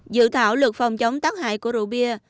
dự thảo luật phòng chống tác hại của rượu bia